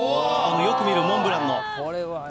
よく見るモンブランの。